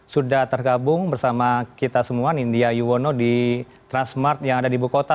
sudah tergabung bersama kita semua nindya iwono di transmart yang ada di bukota